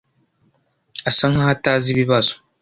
asa nkaho atazi ibibazo.